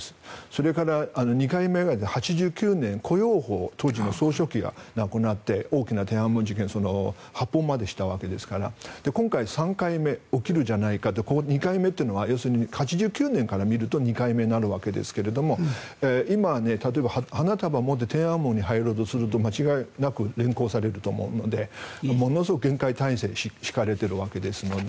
それから２回目が８９年コ・ヨウホウ当時の総書記が亡くなって大きな天安門事件発砲までしたのでで、今回起きるんじゃないか２回目というのは要するに８９年から見ると２回目になるわけですが今、例えば花束を持って天安門に入ろうとすると間違いなく連行されると思うのでものすごく厳戒態勢が敷かれているので。